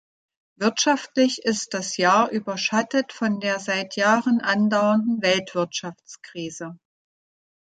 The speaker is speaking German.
Wirtschaftlich ist das Jahr überschattet von der seit Jahren andauernden Weltwirtschaftskrise.